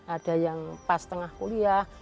ada yang pas tengah kuliah